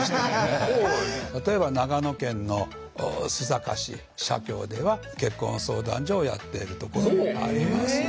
例えば長野県の須坂市社協では結婚相談所をやっているところもあります。